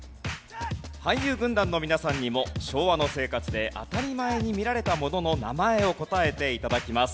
俳優軍団の皆さんにも昭和の生活で当たり前に見られたものの名前を答えて頂きます。